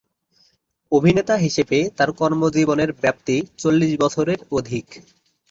অভিনেতা হিসেবে তার কর্মজীবনের ব্যপ্তি চল্লিশ বছরের অধিক।